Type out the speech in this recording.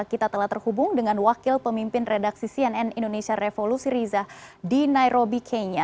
kita telah terhubung dengan wakil pemimpin redaksi cnn indonesia revolusi riza di nairobi kenya